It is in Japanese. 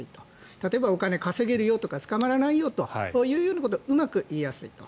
例えば、お金を稼げるよとか捕まらないよということをうまく言いやすいと。